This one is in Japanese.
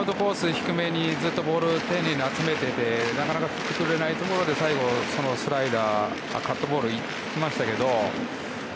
低めにずっとボールを丁寧に集めててなかなか振ってくれないところで最後にカットボールが行きましたけど。